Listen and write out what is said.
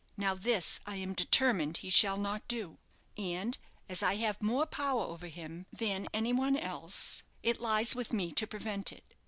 Now this I am determined he shall not do, and as I have more power over him than any one else, it lies with me to prevent it.